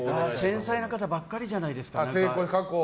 繊細な方ばかりじゃないですか。